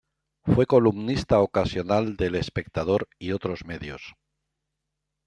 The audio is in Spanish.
Fue columnista ocasional de El Espectador y otros medios.